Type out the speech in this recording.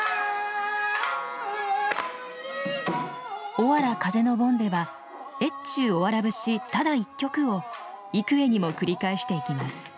おわら風の盆では「越中おわら節」ただ一曲を幾重にも繰り返していきます。